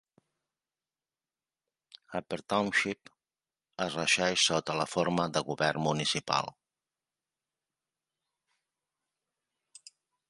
Upper Township es regeix sota la forma de govern municipal.